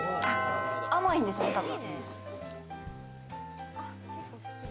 甘いんですね、多分。